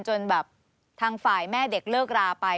จนแบบทางฝ่ายแม่เด็กเลิกราไป